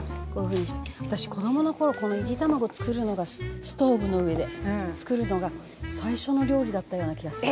私子どもの頃このいり卵作るのがストーブの上で作るのが最初の料理だったような気がする。